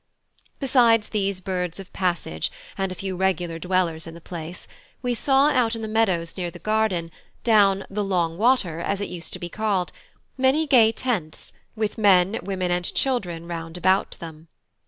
Besides these birds of passage, and a few regular dwellers in the place, we saw out in the meadows near the garden, down "the Long Water," as it used to be called, many gay tents with men, women, and children round about them.